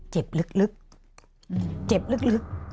เจ็บเจ็บลึกเจ็บลึก